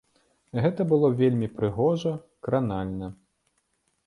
Гэта было вельмі прыгожа, кранальна.